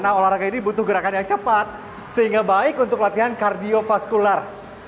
nah olahraga ini butuh gerakan yang cepat sehingga baik untuk latihan kardiofaskular